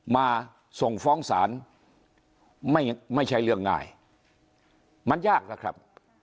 มาส่งฟ้องศาลไม่ใช่เรื่องง่ายมันยากแล้วครับ